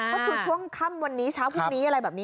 ก็คือช่วงค่ำวันนี้เช้าพรุ่งนี้อะไรแบบนี้